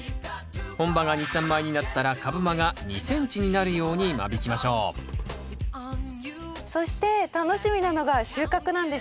本葉が２３枚になったら株間が２ｃｍになるように間引きましょうそして楽しみなのが収穫なんですが。